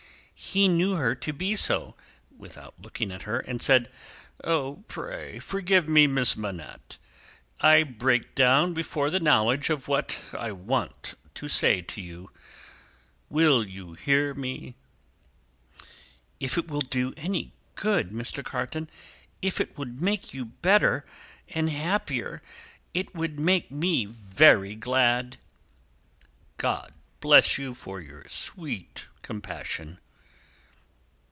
He knew her to be so, without looking at her, and said: "Pray forgive me, Miss Manette. I break down before the knowledge of what I want to say to you. Will you hear me?" "If it will do you any good, Mr. Carton, if it would make you happier, it would make me very glad!" "God bless you for your sweet compassion!"